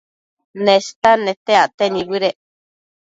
Nestan nete acte nibëdec